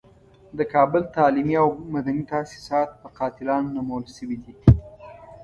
د کابل تعلیمي او مدني تاسیسات په قاتلانو نومول شوي دي.